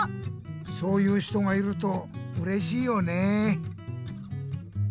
そういう人がいるとうれしいよねえ。